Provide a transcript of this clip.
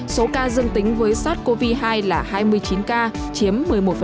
số ca dương tính với sars cov hai là hai mươi chín ca chiếm một mươi một